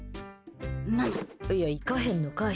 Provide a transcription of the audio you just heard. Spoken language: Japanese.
いや、行かへんのかい。